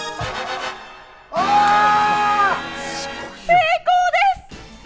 成功です！